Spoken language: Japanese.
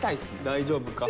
大丈夫か？